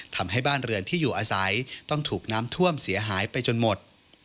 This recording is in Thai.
ทำให้บ้านเรือนที่อยู่อาศัยต้องถูกน้ำท่วมเสียหายไปจนหมด